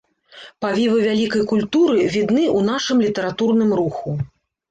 Павевы вялікай культуры відны ў нашым літаратурным руху.